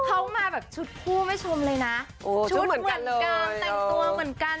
เขามาแบบชุดผู้ไม่ชมเลยนะโอ้ชุดเหมือนกันเลยชุดเหมือนกันแต่งตัวเหมือนกัน